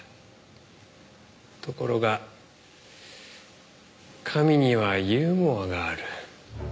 ところが神にはユーモアがある。